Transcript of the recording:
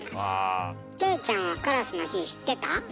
キョエちゃんはカラスの日知ってた？